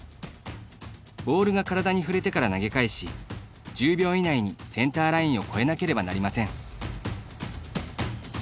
ボールが体に触れてから投げ返し１０秒以内にセンターラインを越えなければなりません。